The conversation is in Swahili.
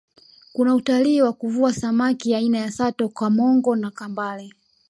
kuna utalii wa kuvua samaki aina ya sato kamongo na kambale